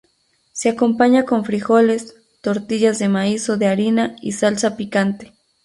Se acompaña con frijoles, tortillas de maíz o de harina y salsa picante.